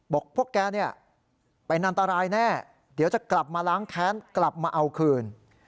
บอกพวกแกเนี่ยเป็นอันตรายแน่เดี๋ยวจะกลับมาล้างแค้นกลับมาเอาคืน